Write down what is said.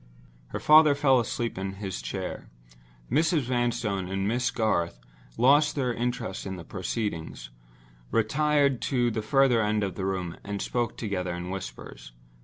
Her father fell asleep in his chair. Mrs. Vanstone and Miss Garth lost their interest in the proceedings, retired to the further end of the room, and spoke together in whispers.